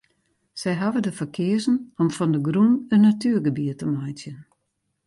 Sy hawwe der foar keazen om fan de grûn in natuergebiet te meitsjen.